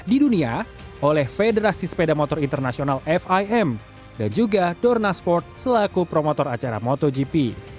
di dunia oleh federasi sepeda motor internasional fim dan juga dorna sport selaku promotor acara motogp